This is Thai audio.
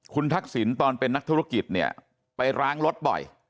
คุณทักษิณตอนเป็นนักธุรกิจเนี่ยไปล้างรถบ่อย